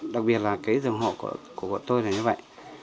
đặc biệt là dòng hộ của tôi là như vậy